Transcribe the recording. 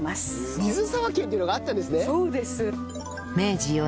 水沢県っていうのがあったんですね。